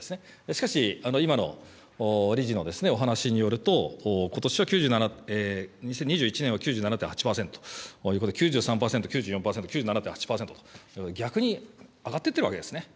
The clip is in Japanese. しかし、今の理事のお話によると、ことしは９７、２０２１年は９７．８％ということで、９３％、９４％、９７．８％と、逆に上がっていってるわけですね。